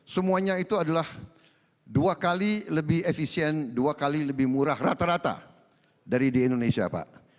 semuanya itu adalah dua kali lebih efisien dua kali lebih murah rata rata dari di indonesia pak